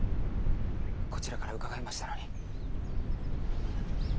こちらから伺いましたのに。